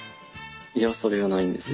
いやそれがないんですよ。